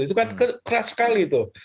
itu kan keras sekali itu